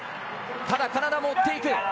ただ、カナダも追っていく。